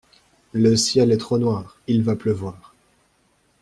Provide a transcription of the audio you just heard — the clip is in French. Le ciel est trop noir, il va pleuvoir.